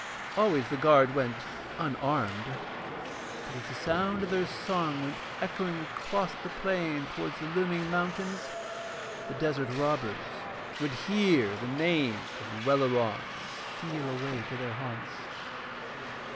Always the guard went unarmed, but as the sound of their song went echoing across the plain towards the looming mountains, the desert robbers would hear the name of Welleran and steal away to their haunts.